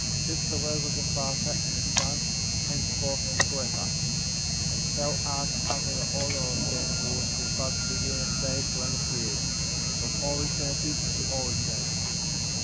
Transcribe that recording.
J' This is the record of the Father, and the Son,^ from henceforth and for ever ; 67. And thou art after the order of him who was without beginning of days or end of years,* from all eternity to all eternity.